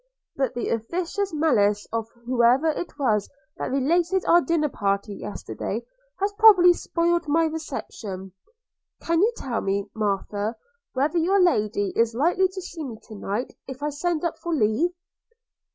but the officious malice of whoever it was that related our dinner party yesterday, has probably spoiled my reception. – Can you tell me, Martha, whether your lady is likely to see me to night, if I send up for leave?'